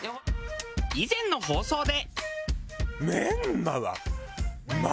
以前の放送で。